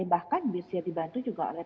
bahkan bisa dibantu juga oleh